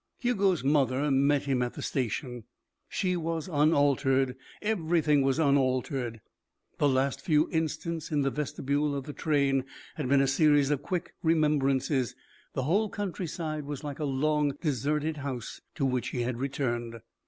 Hugo's mother met him at the station. She was unaltered, everything was unaltered. The last few instants in the vestibule of the train had been a series of quick remembrances; the whole countryside was like a long deserted house to which he had returned.